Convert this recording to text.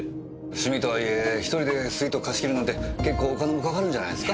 趣味とはいえ１人でスイートを貸し切るなんて結構お金もかかるんじゃないですか？